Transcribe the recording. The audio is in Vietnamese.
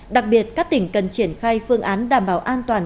đặc biệt các tỉnh cần triển khai phương án đảm bảo an toàn